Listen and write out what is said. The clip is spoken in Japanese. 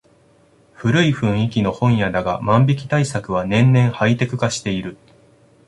古い雰囲気の本屋だが万引き対策は年々ハイテク化している